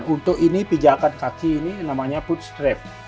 untuk ini pijakan kaki ini namanya foot strap